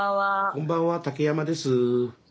こんばんは竹山です。